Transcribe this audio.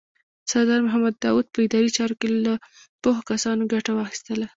سردار محمد داود په اداري چارو کې له پوهو کسانو ګټه واخیستله.